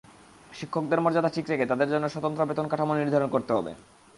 শিক্ষকদের মর্যাদা ঠিক রেখে তাঁদের জন্য স্বতন্ত্র বেতনকাঠামো নির্ধারণ করতে হবে।